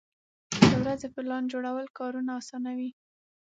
د ورځې پلان جوړول کارونه اسانوي.